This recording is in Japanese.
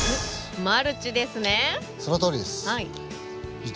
マルチですね？